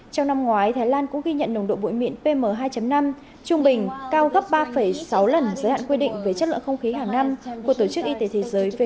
trong năm ngoái thái lan cũng ghi nhận nồng độ bụi mịn pm hai năm trung bình cao gấp ba sáu lần giới hạn quy định về chất lượng không khí hàng năm của tổ chức y tế thế giới